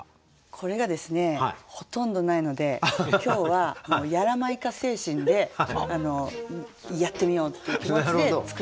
これがですねほとんどないので今日はやらまいか精神でやってみようっていう気持ちで作ってきました。